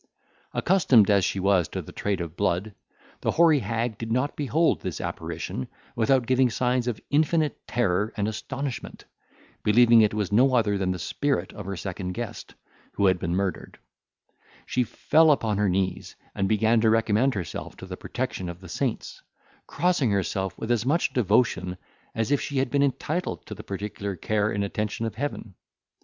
Accustomed as she was to the trade of blood, the hoary hag did not behold this apparition without giving signs of infinite terror and astonishment, believing it was no other than the spirit of her second guest, who had been murdered; she fell upon her knees and began to recommend herself to the protection of the saints, crossing herself with as much devotion as if she had been entitled to the particular care and attention of Heaven.